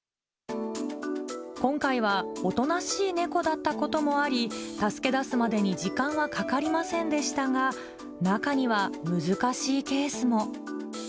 今回はおとなしい猫だったこともあり、助け出すまでに時間はかかりませんでしたが、中には難しいケースも。